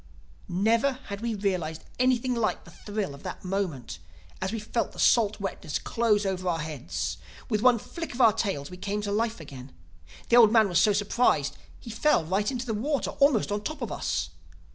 "Never had we realized anything like the thrill of that moment, as we felt the salt wetness close over our heads. With one flick of our tails we came to life again. The old man was so surprised that he fell right into the water, almost on top of us.